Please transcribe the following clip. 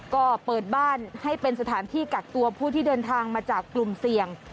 ก็เปิดบ้านให้เป็นสถานที่กักตัวผู้ที่เดินทางมาจากกลุ่มเสี่ยง